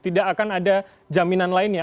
tidak akan ada jaminan lainnya